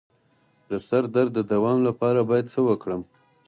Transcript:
د سر درد د دوام لپاره باید څه وکړم؟